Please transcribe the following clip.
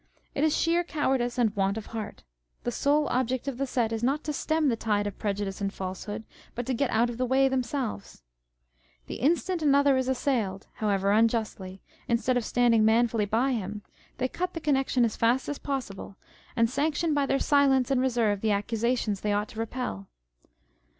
It is sheer cowardice and want of heart. The sole object of the set is not to stem the tide of prejudice and falsehood, but to get out of the wray themselves. The instant another is assailed (how On jf Party. 535 ever unjustly), instead of standing manfully by him, they cut the connection as fast as possible, and sanction by their silence and reserve the accusations they ought to repel.